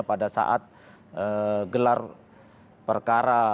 pada saat gelar perkara